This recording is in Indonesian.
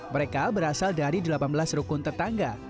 mereka berasal dari delapan belas rukun tetangga